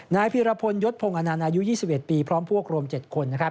นายพิรพลยศพงศ์อาณานายุ๒๑ปีพร้อมพวกรวม๗คน